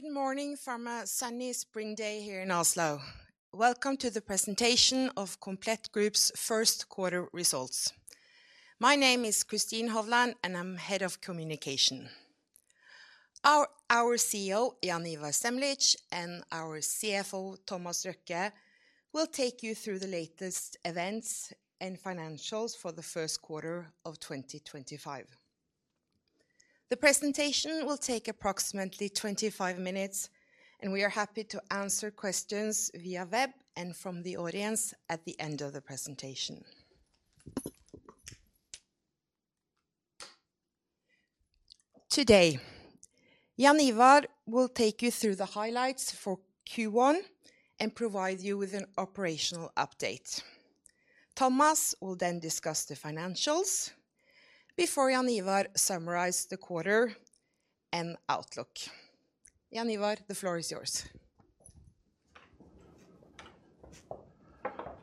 Good morning from a sunny spring day here in Oslo. Welcome to the presentation of Komplett Group's first quarter results. My name is Kristin Hovland, and I'm Head of Communication. Our CEO, Jaan Ivar Semlitsch, and our CFO, Thomas Røkke, will take you through the latest events and financials for the first quarter of 2025. The presentation will take approximately 25 minutes, and we are happy to answer questions via web and from the audience at the end of the presentation. Today, Jaan Ivar will take you through the highlights for Q1 and provide you with an operational update. Thomas will then discuss the financials before Jaan Ivar summarizes the quarter and outlook. Jaan Ivar, the floor is yours.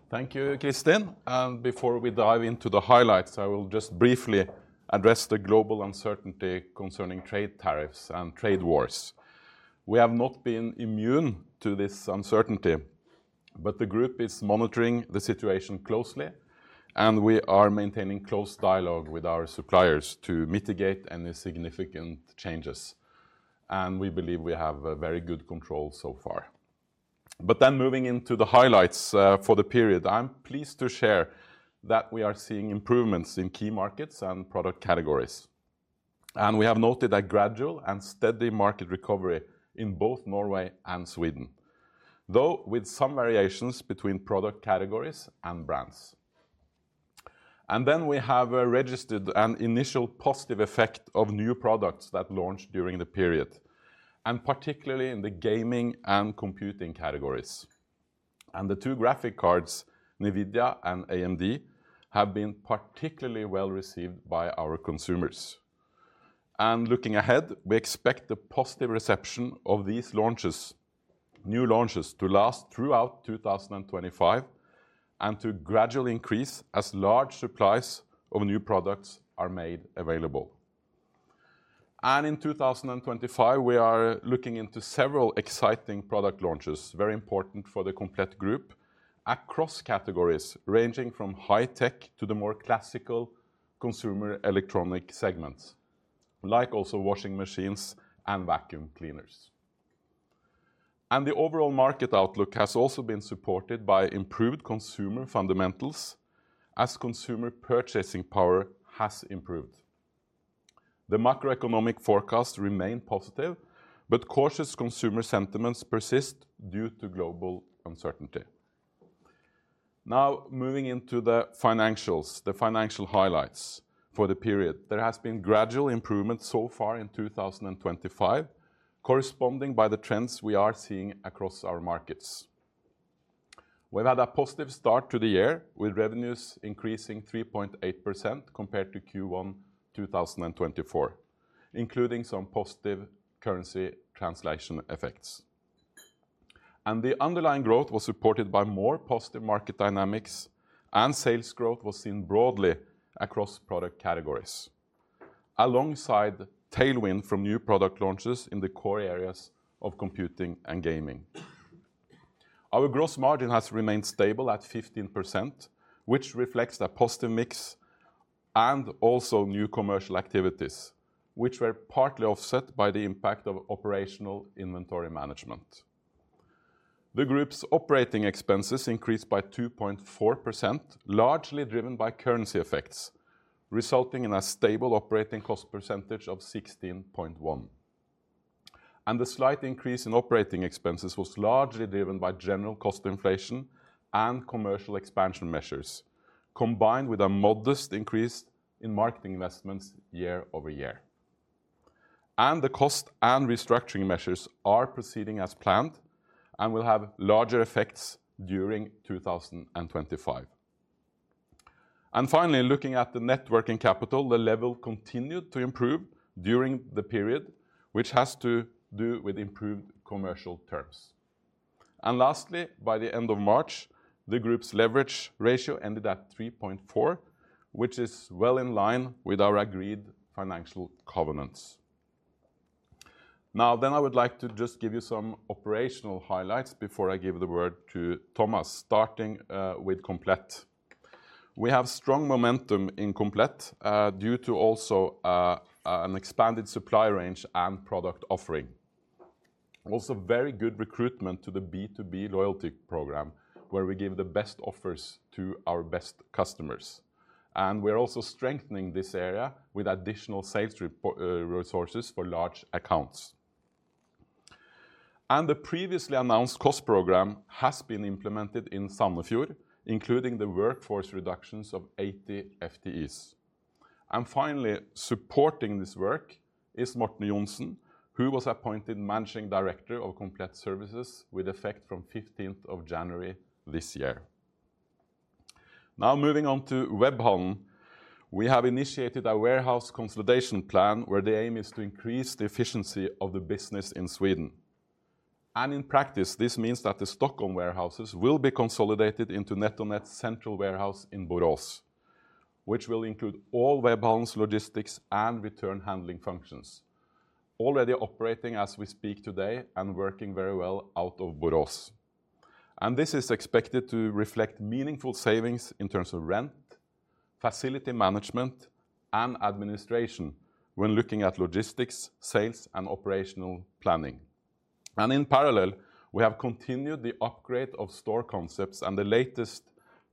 Thank you, Kristin. Before we dive into the highlights, I will just briefly address the global uncertainty concerning trade tariffs and trade wars. We have not been immune to this uncertainty, but the Group is monitoring the situation closely, and we are maintaining close dialogue with our suppliers to mitigate any significant changes. We believe we have very good control so far. Moving into the highlights for the period, I am pleased to share that we are seeing improvements in key markets and product categories. We have noted a gradual and steady market recovery in both Norway and Sweden, though with some variations between product categories and brands. We have registered an initial positive effect of new products that launched during the period, particularly in the gaming and computing categories. The two graphic cards, NVIDIA and AMD, have been particularly well received by our consumers. Looking ahead, we expect the positive reception of these new launches to last throughout 2025 and to gradually increase as large supplies of new products are made available. In 2025, we are looking into several exciting product launches, very important for the Komplett Group, across categories ranging from high-tech to the more classical consumer electronic segments, like also washing machines and vacuum cleaners. The overall market outlook has also been supported by improved consumer fundamentals as consumer purchasing power has improved. The macroeconomic forecasts remain positive, but cautious consumer sentiments persist due to global uncertainty. Now, moving into the financials, the financial highlights for the period, there has been gradual improvement so far in 2025, corresponding by the trends we are seeing across our markets. We've had a positive start to the year with revenues increasing 3.8% compared to Q1 2024, including some positive currency translation effects. The underlying growth was supported by more positive market dynamics, and sales growth was seen broadly across product categories, alongside tailwind from new product launches in the core areas of computing and gaming. Our gross margin has remained stable at 15%, which reflects a positive mix and also new commercial activities, which were partly offset by the impact of operational inventory management. The Group's operating expenses increased by 2.4%, largely driven by currency effects, resulting in a stable operating cost percentage of 16.1%. The slight increase in operating expenses was largely driven by general cost inflation and commercial expansion measures, combined with a modest increase in marketing investments year-over-year. The cost and restructuring measures are proceeding as planned and will have larger effects during 2025. Finally, looking at the net working capital, the level continued to improve during the period, which has to do with improved commercial terms. Lastly, by the end of March, the Group's leverage ratio ended at 3.4%, which is well in line with our agreed financial covenants. Now, I would like to just give you some operational highlights before I give the word to Thomas, starting with Komplett. We have strong momentum in Komplett due to also an expanded supply range and product offering. Also, very good recruitment to the B2B loyalty program, where we give the best offers to our best customers. We are also strengthening this area with additional sales resources for large accounts. The previously announced cost program has been implemented in Sandefjord, including the workforce reductions of 80 FTEs. Finally, supporting this work is Morten Jonsson, who was appointed Managing Director of Komplett Services with effect from 15th of January this year. Now, moving on to Webhallen, we have initiated a warehouse consolidation plan where the aim is to increase the efficiency of the business in Sweden. In practice, this means that the Stockholm warehouses will be consolidated into NetOnNet's central warehouse in Borås, which will include all Webhallen's logistics and return handling functions, already operating as we speak today and working very well out of Borås. This is expected to reflect meaningful savings in terms of rent, facility management, and administration when looking at logistics, sales, and operational planning. In parallel, we have continued the upgrade of store concepts and the latest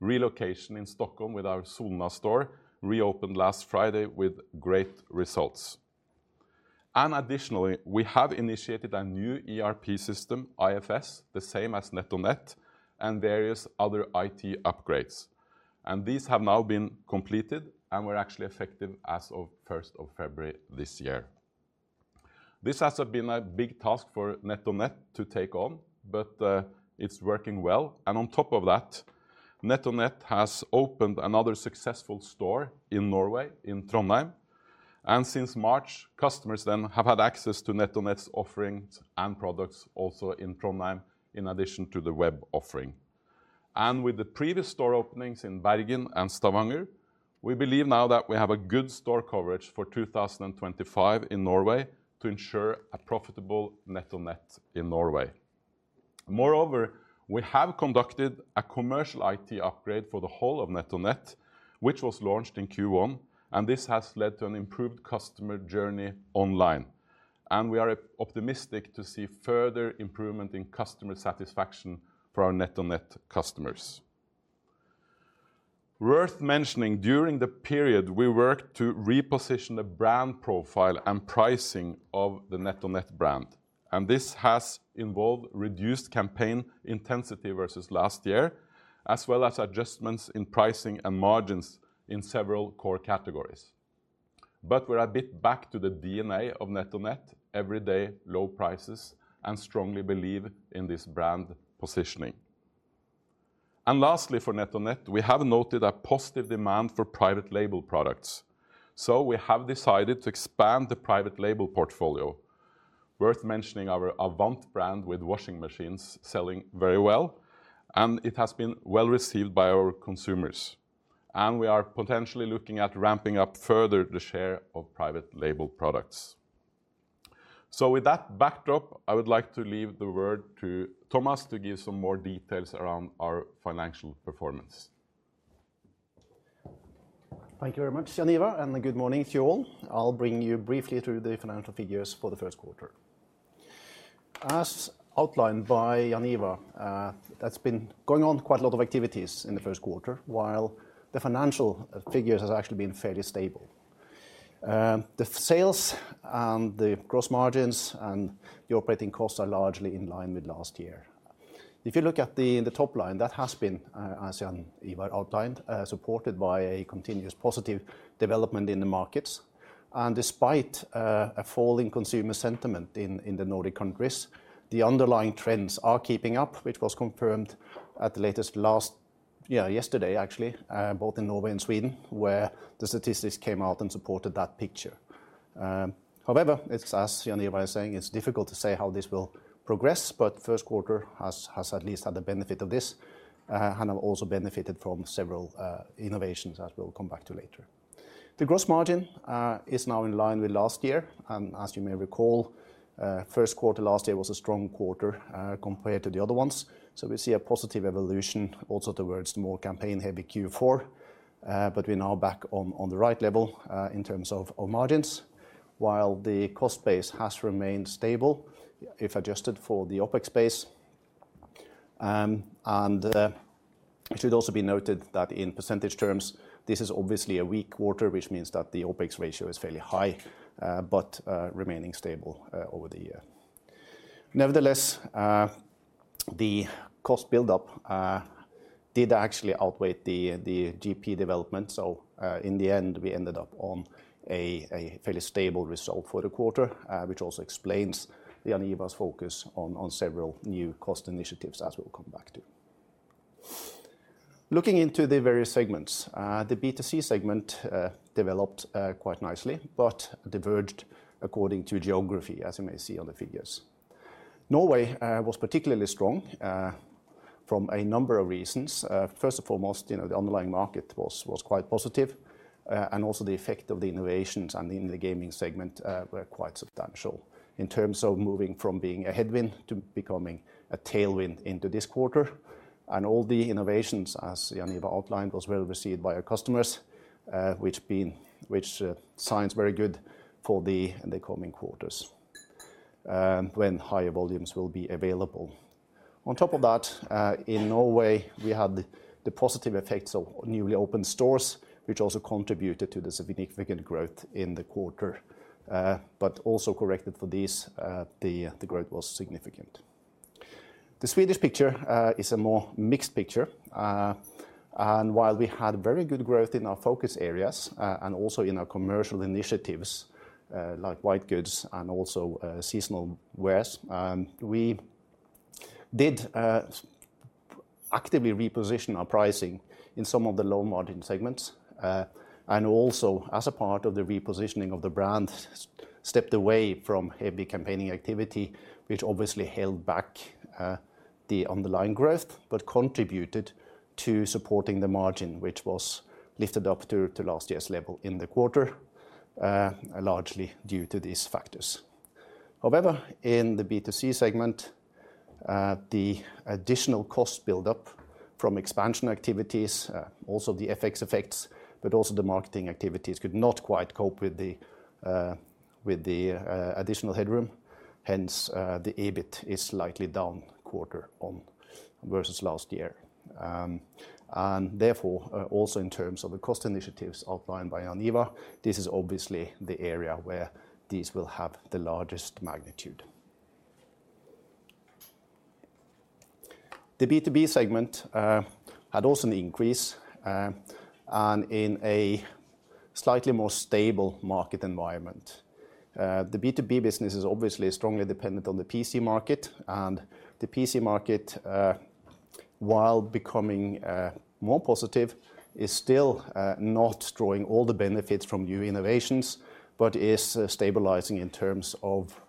relocation in Stockholm with our Solna store, reopened last Friday with great results. Additionally, we have initiated a new ERP system, IFS, the same as NetOnNet, and various other IT upgrades. These have now been completed and were actually effective as of 1st of February this year. This has been a big task for NetOnNet to take on, but it's working well. On top of that, NetOnNet has opened another successful store in Norway, in Trondheim. Since March, customers then have had access to NetOnNet's offerings and products also in Trondheim, in addition to the web offering. With the previous store openings in Bergen and Stavanger, we believe now that we have a good store coverage for 2025 in Norway to ensure a profitable NetOnNet in Norway. Moreover, we have conducted a commercial IT upgrade for the whole of NetOnNet, which was launched in Q1, and this has led to an improved customer journey online. We are optimistic to see further improvement in customer satisfaction for our NetOnNet customers. Worth mentioning, during the period, we worked to reposition the brand profile and pricing of the NetOnNet brand. This has involved reduced campaign intensity versus last year, as well as adjustments in pricing and margins in several core categories. We are a bit back to the DNA of NetOnNet, everyday low prices, and strongly believe in this brand positioning. Lastly, for NetOnNet, we have noted a positive demand for private label products. We have decided to expand the private label portfolio. Worth mentioning, our Avant brand with washing machines is selling very well, and it has been well received by our consumers. We are potentially looking at ramping up further the share of private label products. With that backdrop, I would like to leave the word to Thomas to give some more details around our financial performance. Thank you very much, Jaan Ivar, and good morning to you all. I'll bring you briefly through the financial figures for the first quarter. As outlined by Jaan Ivar, there's been going on quite a lot of activities in the first quarter, while the financial figures have actually been fairly stable. The sales and the gross margins and the operating costs are largely in line with last year. If you look at the top line, that has been, as Jaan Ivar outlined, supported by a continuous positive development in the markets. Despite a fall in consumer sentiment in the Nordic countries, the underlying trends are keeping up, which was confirmed at the latest last yesterday, actually, both in Norway and Sweden, where the statistics came out and supported that picture. However, as Jaan Ivar is saying, it's difficult to say how this will progress, but the first quarter has at least had the benefit of this and has also benefited from several innovations that we'll come back to later. The gross margin is now in line with last year. As you may recall, the first quarter last year was a strong quarter compared to the other ones. We see a positive evolution also towards the more campaign-heavy Q4. We're now back on the right level in terms of margins, while the cost base has remained stable, if adjusted for the OpEx base. It should also be noted that in percentage terms, this is obviously a weak quarter, which means that the OpEx ratio is fairly high, but remaining stable over the year. Nevertheless, the cost buildup did actually outweigh the GP development. In the end, we ended up on a fairly stable result for the quarter, which also explains Jaan Ivar's focus on several new cost initiatives, as we'll come back to. Looking into the various segments, the B2C segment developed quite nicely, but diverged according to geography, as you may see on the figures. Norway was particularly strong for a number of reasons. First and foremost, the underlying market was quite positive, and also the effect of the innovations and in the gaming segment were quite substantial in terms of moving from being a headwind to becoming a tailwind into this quarter. All the innovations, as Jaan Ivar outlined, were well received by our customers, which signs very good for the coming quarters when higher volumes will be available. On top of that, in Norway, we had the positive effects of newly opened stores, which also contributed to the significant growth in the quarter. Also, corrected for these, the growth was significant. The Swedish picture is a more mixed picture. While we had very good growth in our focus areas and also in our commercial initiatives like white goods and also seasonal wears, we did actively reposition our pricing in some of the low margin segments. Also, as a part of the repositioning of the brand, we stepped away from heavy campaigning activity, which obviously held back the underlying growth, but contributed to supporting the margin, which was lifted up to last year's level in the quarter, largely due to these factors. However, in the B2C segment, the additional cost buildup from expansion activities, also the FX effects, but also the marketing activities could not quite cope with the additional headroom. Hence, the EBIT is slightly down quarter on versus last year. Therefore, also in terms of the cost initiatives outlined by Jaan Ivar, this is obviously the area where these will have the largest magnitude. The B2B segment had also an increase and in a slightly more stable market environment. The B2B business is obviously strongly dependent on the PC market. The PC market, while becoming more positive, is still not drawing all the benefits from new innovations, but is stabilizing in terms of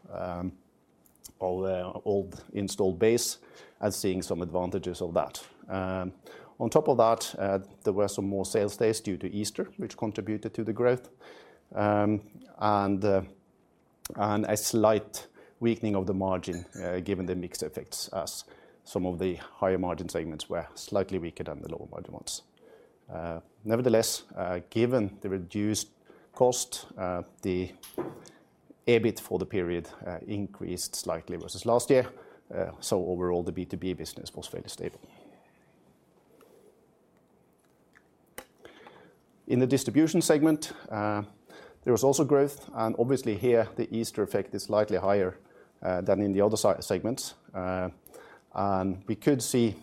old installed base and seeing some advantages of that. On top of that, there were some more sales days due to Easter, which contributed to the growth and a slight weakening of the margin, given the mixed effects, as some of the higher margin segments were slightly weaker than the lower margin ones. Nevertheless, given the reduced cost, the EBIT for the period increased slightly versus last year. Overall, the B2B business was fairly stable. In the distribution segment, there was also growth. Obviously here, the Easter effect is slightly higher than in the other segments. We could see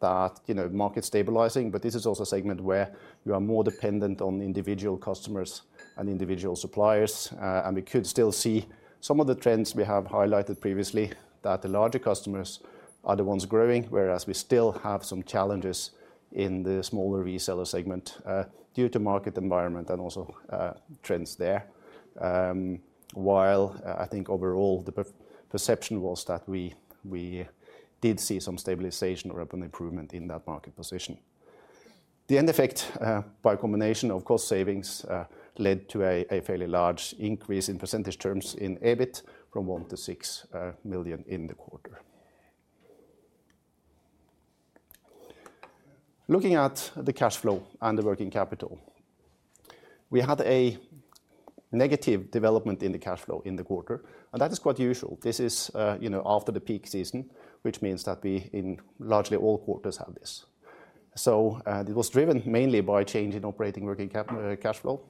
that market stabilizing, but this is also a segment where you are more dependent on individual customers and individual suppliers. We could still see some of the trends we have highlighted previously, that the larger customers are the ones growing, whereas we still have some challenges in the smaller reseller segment due to market environment and also trends there. While I think overall, the perception was that we did see some stabilization or an improvement in that market position. The end effect by a combination of cost savings led to a fairly large increase in percentage terms in EBIT from 1 million to 6 million in the quarter. Looking at the cash flow and the working capital, we had a negative development in the cash flow in the quarter, and that is quite usual. This is after the peak season, which means that we in largely all quarters have this. It was driven mainly by a change in operating working cash flow,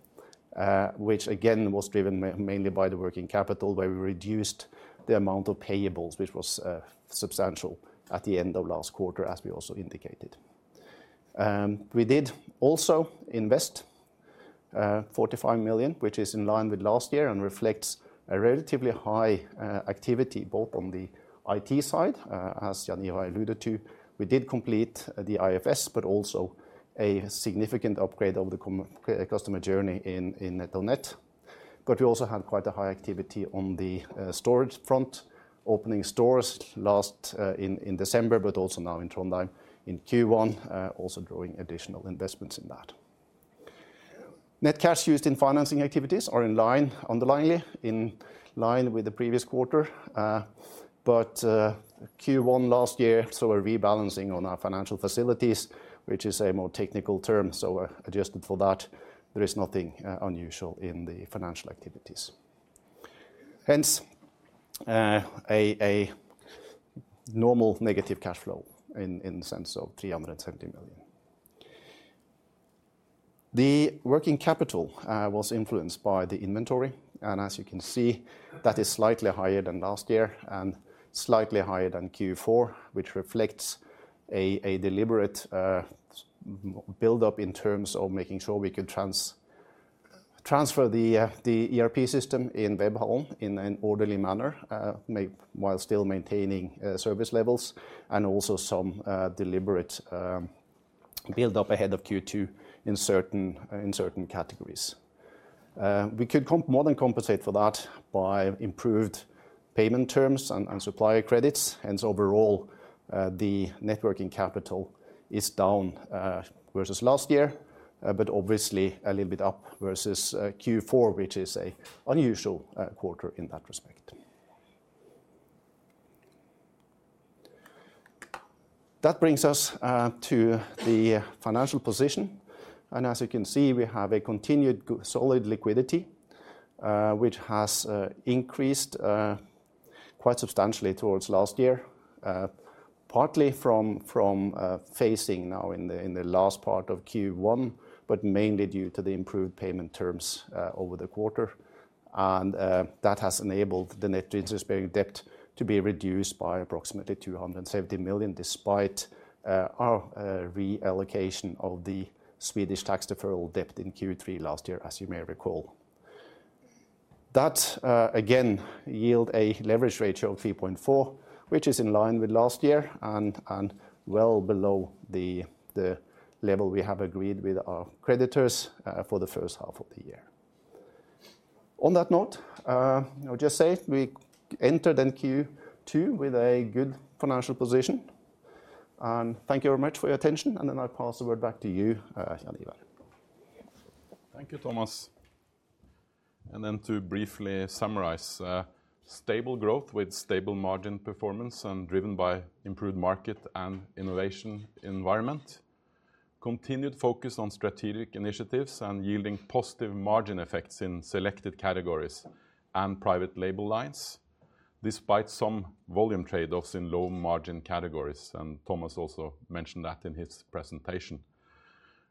which again was driven mainly by the working capital, where we reduced the amount of payables, which was substantial at the end of last quarter, as we also indicated. We did also invest 45 million, which is in line with last year and reflects a relatively high activity both on the IT side, as Jaan Ivar alluded to. We did complete the IFS, but also a significant upgrade of the customer journey in NetOnNet. We also had quite a high activity on the storage front, opening stores last in December, and now in Trondheim in Q1, also drawing additional investments in that. Net cash used in financing activities are underlyingly in line with the previous quarter. Q1 last year, we are rebalancing on our financial facilities, which is a more technical term. We're adjusted for that. There is nothing unusual in the financial activities. Hence, a normal negative cash flow in the sense of 370 million. The working capital was influenced by the inventory. As you can see, that is slightly higher than last year and slightly higher than Q4, which reflects a deliberate buildup in terms of making sure we could transfer the ERP system in Webhallen in an orderly manner, while still maintaining service levels and also some deliberate buildup ahead of Q2 in certain categories. We could more than compensate for that by improved payment terms and supplier credits. Hence, overall, the net working capital is down versus last year, but obviously a little bit up versus Q4, which is an unusual quarter in that respect. That brings us to the financial position. As you can see, we have a continued solid liquidity, which has increased quite substantially towards last year, partly from phasing now in the last part of Q1, but mainly due to the improved payment terms over the quarter. That has enabled the net interest-bearing debt to be reduced by approximately 270 million, despite our reallocation of the Swedish tax deferral debt in Q3 last year, as you may recall. That again yields a leverage ratio of 3.4%, which is in line with last year and well below the level we have agreed with our creditors for the first half of the year. On that note, I'll just say we entered in Q2 with a good financial position. Thank you very much for your attention. I'll pass the word back to you, Jaan Ivar. Thank you, Thomas. To briefly summarize, stable growth with stable margin performance and driven by improved market and innovation environment, continued focus on strategic initiatives and yielding positive margin effects in selected categories and private label lines, despite some volume trade-offs in low margin categories. Thomas also mentioned that in his presentation.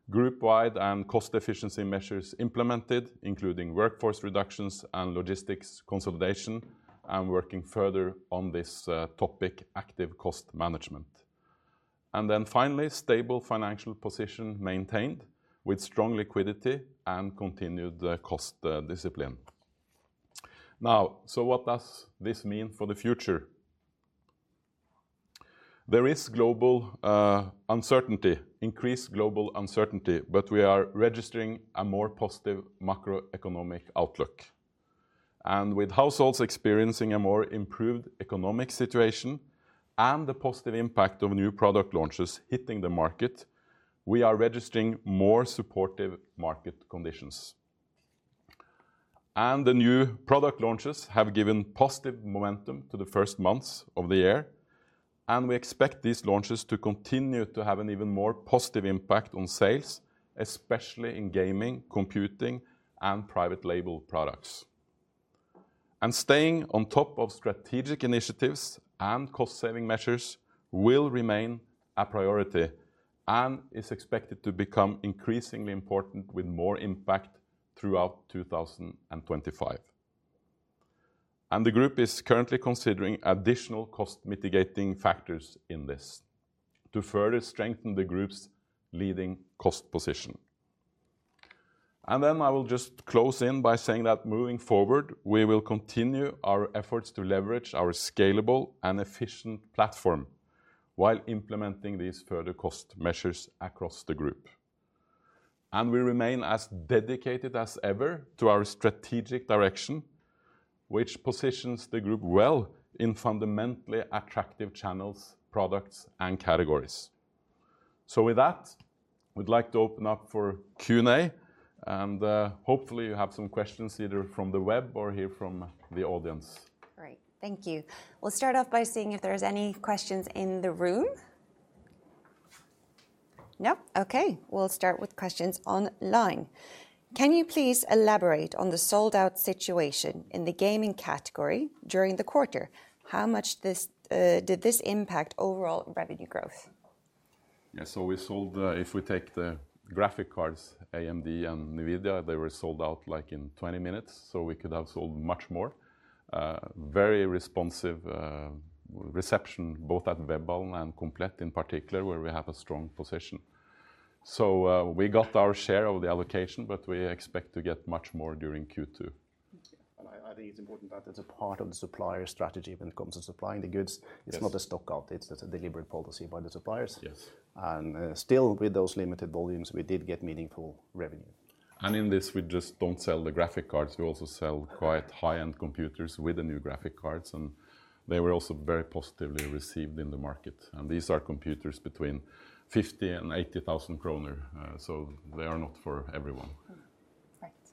Group-wide and cost efficiency measures implemented, including workforce reductions and logistics consolidation, and working further on this topic, active cost management. Finally, stable financial position maintained with strong liquidity and continued cost discipline. Now, what does this mean for the future? There is global uncertainty, increased global uncertainty, but we are registering a more positive macroeconomic outlook. With households experiencing a more improved economic situation and the positive impact of new product launches hitting the market, we are registering more supportive market conditions. The new product launches have given positive momentum to the first months of the year. We expect these launches to continue to have an even more positive impact on sales, especially in gaming, computing, and private label products. Staying on top of strategic initiatives and cost-saving measures will remain a priority and is expected to become increasingly important with more impact throughout 2025. The group is currently considering additional cost mitigating factors in this to further strengthen the group's leading cost position. I will just close in by saying that moving forward, we will continue our efforts to leverage our scalable and efficient platform while implementing these further cost measures across the group. We remain as dedicated as ever to our strategic direction, which positions the group well in fundamentally attractive channels, products, and categories. With that, we'd like to open up for Q&A. Hopefully, you have some questions either from the web or here from the audience. All right. Thank you. We'll start off by seeing if there's any questions in the room. Nope. Okay. We'll start with questions online. Can you please elaborate on the sold-out situation in the gaming category during the quarter? How much did this impact overall revenue growth? Yeah. We sold, if we take the graphic cards, AMD and NVIDIA, they were sold out like in 20 minutes. We could have sold much more. Very responsive reception, both at Webhallen and Komplett in particular, where we have a strong position. We got our share of the allocation, but we expect to get much more during Q2. I think it's important that that's a part of the supplier strategy when it comes to supplying the goods. It's not a stock-out. It's a deliberate policy by the suppliers. Yes. Still, with those limited volumes, we did get meaningful revenue. In this, we just do not sell the graphic cards. We also sell quite high-end computers with the new graphic cards. They were also very positively received in the market. These are computers between 50,000-80,000 kroner. They are not for everyone. Perfect.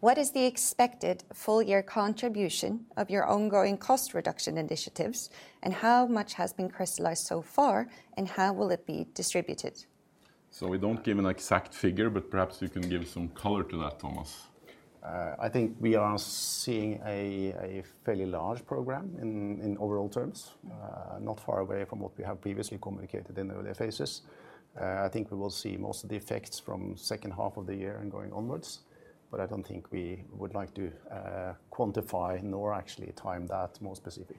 What is the expected full-year contribution of your ongoing cost reduction initiatives? How much has been crystallized so far? How will it be distributed? We don't give an exact figure, but perhaps you can give some color to that, Thomas. I think we are seeing a fairly large program in overall terms, not far away from what we have previously communicated in earlier phases. I think we will see most of the effects from the second half of the year and going onwards. I do not think we would like to quantify nor actually time that more specifically.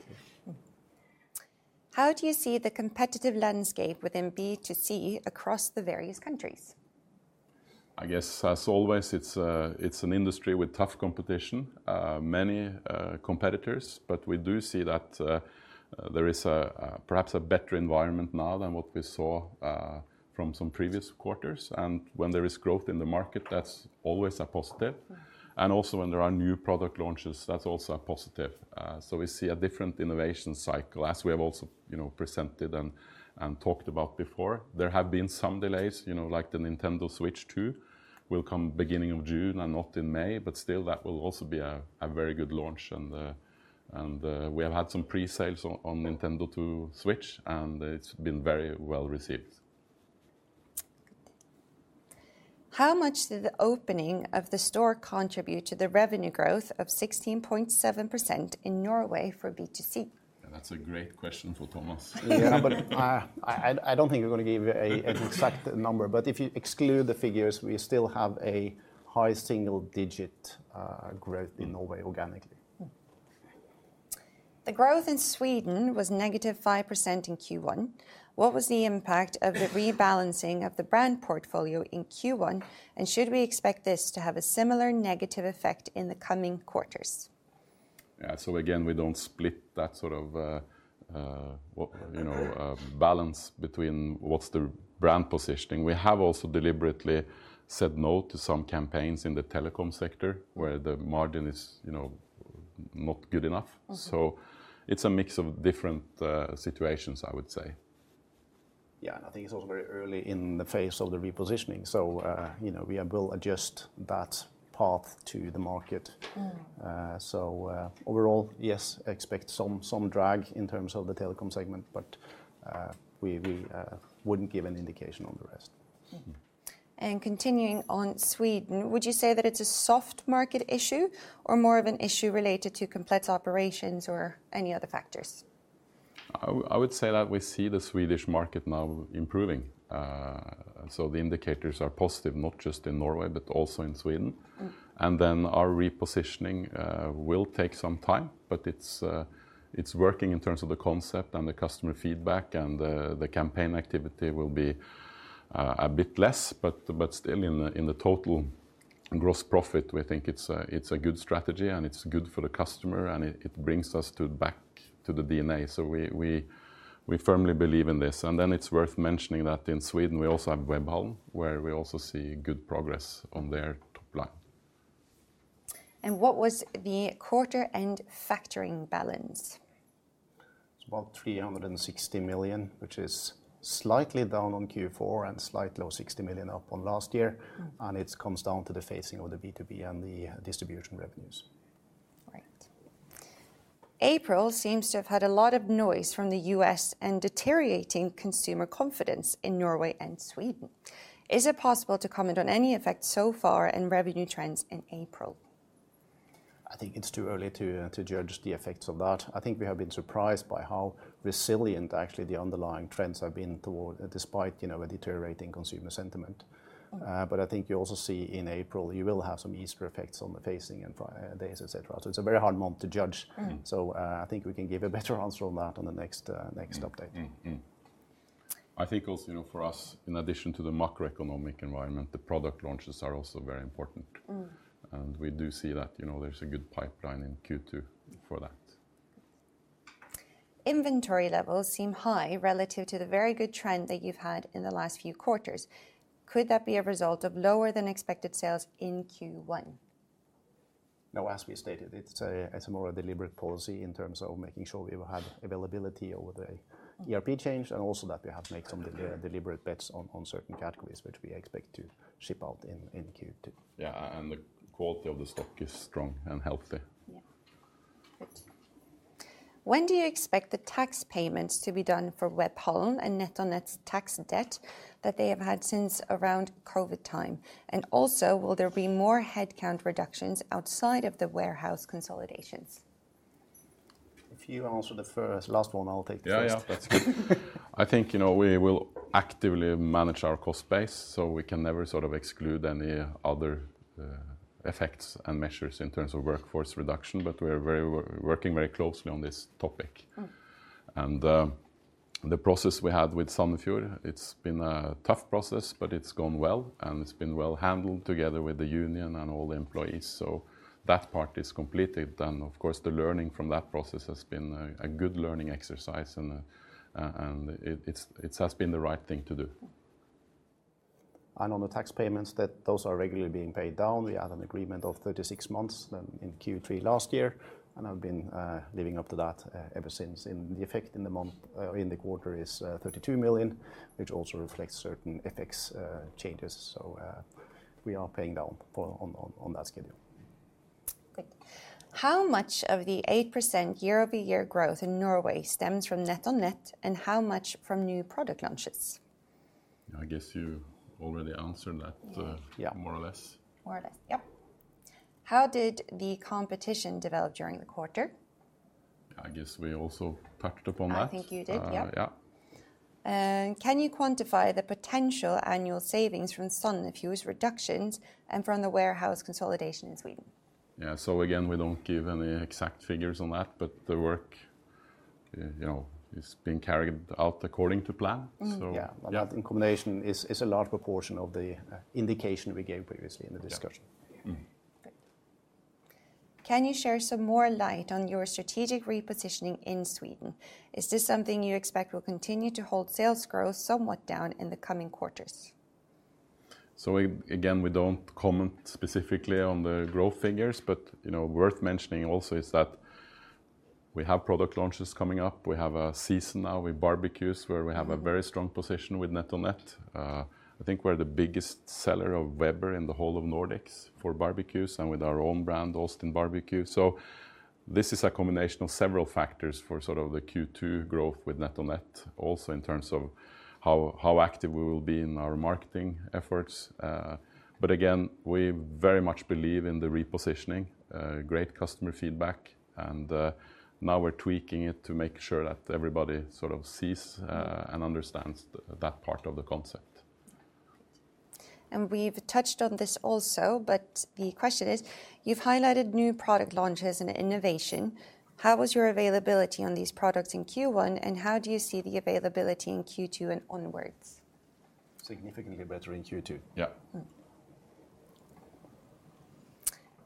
How do you see the competitive landscape within B2C across the various countries? I guess, as always, it's an industry with tough competition, many competitors. We do see that there is perhaps a better environment now than what we saw from some previous quarters. When there is growth in the market, that's always a positive. Also, when there are new product launches, that's also a positive. We see a different innovation cycle, as we have also presented and talked about before. There have been some delays, like the Nintendo Switch 2 will come beginning of June and not in May. Still, that will also be a very good launch. We have had some pre-sales on Nintendo Switch 2, and it's been very well received. How much did the opening of the store contribute to the revenue growth of 16.7% in Norway for B2C? That's a great question for Thomas. Yeah, but I don't think we're going to give you an exact number. If you exclude the figures, we still have a high single-digit growth in Norway organically. The growth in Sweden was -5% in Q1. What was the impact of the rebalancing of the brand portfolio in Q1? Should we expect this to have a similar negative effect in the coming quarters? Yeah. Again, we do not split that sort of balance between what is the brand positioning. We have also deliberately said no to some campaigns in the telecom sector, where the margin is not good enough. It is a mix of different situations, I would say. Yeah. I think it's also very early in the phase of the repositioning. We will adjust that path to the market. Overall, yes, expect some drag in terms of the telecom segment, but we wouldn't give an indication on the rest. Continuing on Sweden, would you say that it's a soft market issue or more of an issue related to Komplett's operations or any other factors? I would say that we see the Swedish market now improving. The indicators are positive, not just in Norway, but also in Sweden. Our repositioning will take some time, but it's working in terms of the concept and the customer feedback. The campaign activity will be a bit less, but still in the total gross profit, we think it's a good strategy. It's good for the customer. It brings us back to the DNA. We firmly believe in this. It's worth mentioning that in Sweden, we also have Webhallen, where we also see good progress on their top line. What was the quarter-end factoring balance? It's about 360 million, which is slightly down on Q4 and slightly over 60 million up on last year. It comes down to the phasing of the B2B and the distribution revenues. Right. April seems to have had a lot of noise from the U.S. and deteriorating consumer confidence in Norway and Sweden. Is it possible to comment on any effects so far in revenue trends in April? I think it's too early to judge the effects of that. I think we have been surprised by how resilient, actually, the underlying trends have been despite a deteriorating consumer sentiment. I think you also see in April, you will have some Easter effects on the phasing and days, etc. It is a very hard month to judge. I think we can give a better answer on that on the next update. I think also for us, in addition to the macroeconomic environment, the product launches are also very important. We do see that there's a good pipeline in Q2 for that. Inventory levels seem high relative to the very good trend that you've had in the last few quarters. Could that be a result of lower-than-expected sales in Q1? No, as we stated, it's a more deliberate policy in terms of making sure we have had availability over the ERP change and also that we have made some deliberate bets on certain categories, which we expect to ship out in Q2. Yeah. The quality of the stock is strong and healthy. Yeah. Good. When do you expect the tax payments to be done for Webhallen and NetOnNet's tax debt that they have had since around COVID time? Also, will there be more headcount reductions outside of the warehouse consolidations? If you answer the first, last one, I'll take the first. Yeah, yeah. I think we will actively manage our cost base. We can never sort of exclude any other effects and measures in terms of workforce reduction. We are working very closely on this topic. The process we had with Sandefjord, it's been a tough process, but it's gone well. It's been well handled together with the union and all the employees. That part is completed. The learning from that process has been a good learning exercise. It has been the right thing to do. On the tax payments, those are regularly being paid down. We had an agreement of 36 months in Q3 last year. I have been living up to that ever since. The effect in the quarter is 32 million, which also reflects certain effects changes. We are paying down on that schedule. Good. How much of the 8% year-over-year growth in Norway stems from NetOnNet and how much from new product launches? I guess you already answered that more or less. More or less, yep. How did the competition develop during the quarter? I guess we also touched upon that. I think you did, yep. Yeah. Can you quantify the potential annual savings from SunFuel's reductions and from the warehouse consolidation in Sweden? Yeah. Again, we don't give any exact figures on that. The work is being carried out according to plan. Yeah. That in combination is a large proportion of the indication we gave previously in the discussion. Can you share some more light on your strategic repositioning in Sweden? Is this something you expect will continue to hold sales growth somewhat down in the coming quarters? Again, we don't comment specifically on the growth figures. Worth mentioning also is that we have product launches coming up. We have a season now with barbecues, where we have a very strong position with NetOnNet. I think we're the biggest seller of Weber in the whole of Nordics for barbecues and with our own brand, Austin Barbecue. This is a combination of several factors for sort of the Q2 growth with NetOnNet, also in terms of how active we will be in our marketing efforts. Again, we very much believe in the repositioning, great customer feedback. Now we're tweaking it to make sure that everybody sort of sees and understands that part of the concept. We have touched on this also. The question is, you have highlighted new product launches and innovation. How was your availability on these products in Q1? How do you see the availability in Q2 and onwards? Significantly better in Q2. Yeah.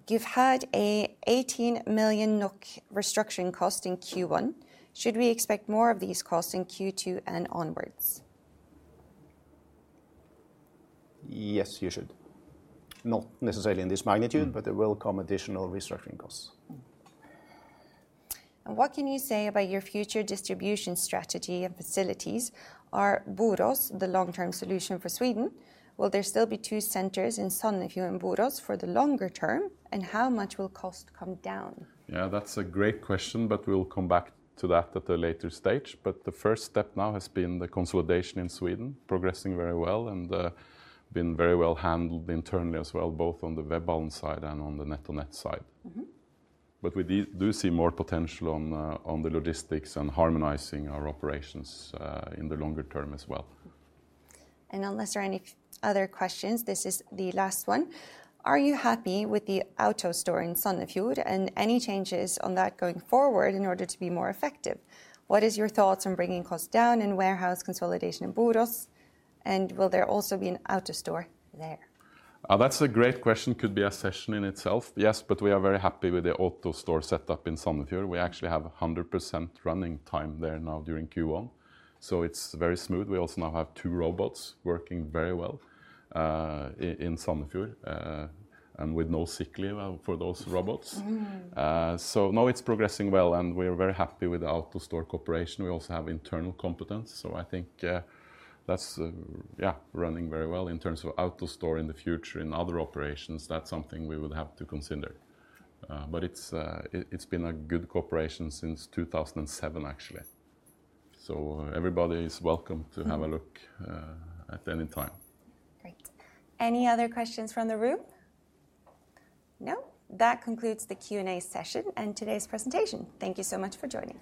You've had an 18 million NOK restructuring cost in Q1. Should we expect more of these costs in Q2 and onwards? Yes, you should. Not necessarily in this magnitude, but there will come additional restructuring costs. What can you say about your future distribution strategy and facilities? Are Borås the long-term solution for Sweden? Will there still be two centers in Sandefjord and Borås for the longer term? How much will cost come down? Yeah, that's a great question. We'll come back to that at a later stage. The first step now has been the consolidation in Sweden, progressing very well and being very well handled internally as well, both on the Webhallen side and on the NetOnNet side. We do see more potential on the logistics and harmonizing our operations in the longer term as well. Unless there are any other questions, this is the last one. Are you happy with the outdoor store in Sandefjord and any changes on that going forward in order to be more effective? What is your thoughts on bringing costs down in warehouse consolidation in Borås? And will there also be an outdoor store there? That's a great question. It could be a session in itself. Yes, but we are very happy with the outdoor store setup in Sandefjord. We actually have 100% running time there now during Q1. It is very smooth. We also now have two robots working very well in Sandefjord and with no sick leave for those robots. It is progressing well. We are very happy with the outdoor store cooperation. We also have internal competence. I think that is running very well in terms of outdoor store in the future in other operations. That is something we would have to consider. It has been a good cooperation since 2007, actually. Everybody is welcome to have a look at any time. Great. Any other questions from the room? No? That concludes the Q&A session and today's presentation. Thank you so much for joining.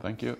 Thank you.